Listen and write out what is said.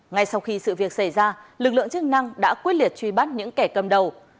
ngay sau khi sự việc xảy ra lực lượng chức năng đã quyết liệt truy bắt những kẻ cầm đầu